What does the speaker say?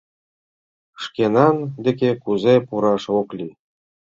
Шкенан деке кузе пураш ок лий?